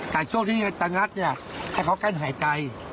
แต่ช่วงที่จะงัดเนี่ยให้เขากั้นหายใจ